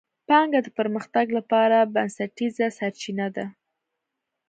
پانګه د پرمختګ لپاره بنسټیزه سرچینه ده.